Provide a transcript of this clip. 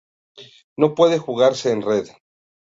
No puede jugarse en red.